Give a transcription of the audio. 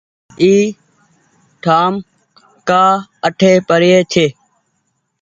اي ٺآم ڪآ اٺي پڙيي ڇي